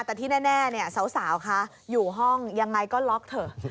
แต่ที่แน่เนี่ยสาวคะอยู่ห้องยังไงก็ล็อกเถอะ